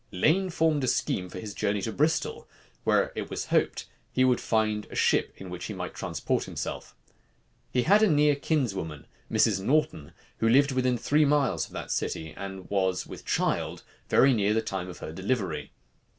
Lane formed a scheme for his journey to Bristol, where, it was hoped, he would find a ship in which he might transport himself. He had a near kinswoman, Mrs. Norton, who lived within three miles of that city, and was with child, very near the time of her delivery.